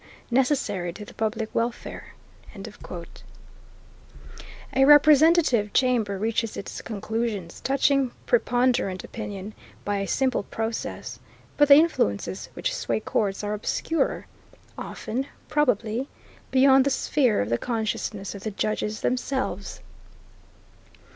necessary to the public welfare." A representative chamber reaches its conclusions touching "preponderant opinion" by a simple process, but the influences which sway courts are obscurer, often, probably, beyond the sphere of the consciousness of the judges themselves.